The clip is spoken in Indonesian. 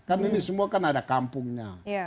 karena ini semua kan ada kampungnya